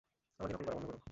আমাকে নকল করা বন্ধ করো!